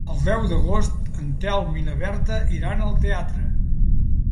El deu d'agost en Telm i na Berta iran al teatre.